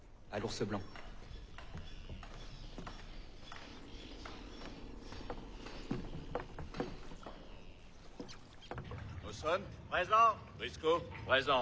はい。